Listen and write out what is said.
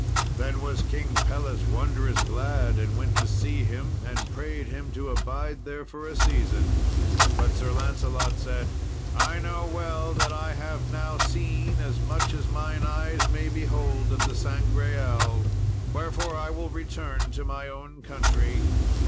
Then was King Pelles wondrous glad and went to see him, and prayed him to abide there for a season. But Sir Lancelot said, "I know well that I have now seen as much as mine eyes may behold of the Sangreal; wherefore I will return to my own country."